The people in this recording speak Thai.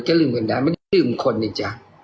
ก็ลืมกันได้ไม่ได้ลืมคนนี่จ้ะ